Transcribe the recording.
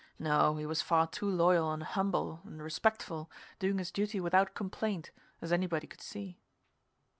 No, he was far too loyal and humble and respectful, doing his duty without complaint, as anybody could see.